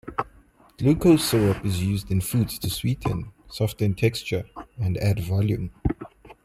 Glucose syrup is used in foods to sweeten, soften texture and add volume.